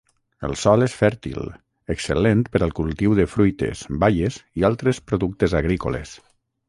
El sòl és fèrtil, excel·lent per al cultiu de fruites, baies i altres productes agrícoles.